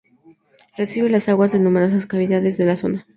Recibe las aguas de numerosas cavidades de la zona.